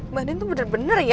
mbak nin tuh bener bener ya